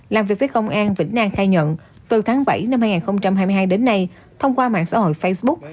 làm việc với công an vĩnh nam khai nhận từ tháng bảy năm hai nghìn hai mươi hai đến nay thông qua mạng xã hội facebook